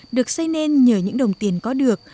được xây nên nhờ những đồng tiền có được